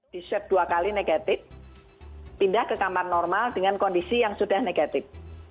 di swab dua kali negatif pindah ke kamar normal dengan kondisi yang sudah negatif